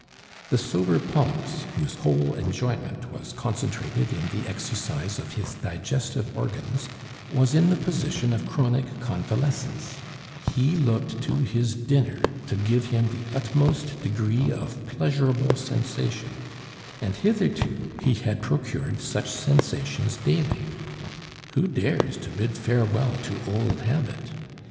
The sober Pons, whose whole enjoyment was concentrated in the exercise of his digestive organs, was in the position of chronic convalescence; he looked to his dinner to give him the utmost degree of pleasurable sensation, and hitherto he had procured such sensations daily. Who dares to bid farewell to old habit?